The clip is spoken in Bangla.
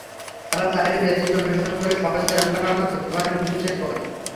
তারা চাইলে রেসিপি অনুসরণ করে সহজেই রান্না করতে পারেন বিশেষ এই পদ।